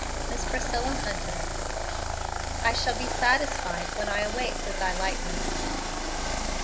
ts Miss Priscilla Hunter. " I shall be satisfied token I awake with thy likeness